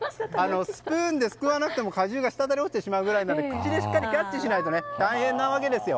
スプーンですくわなくても果汁がしたたり落ちてしまうので口でしっかりキャッチしないと大変なわけですよ。